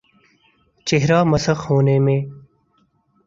چہر ہ مسخ ہونے میں۔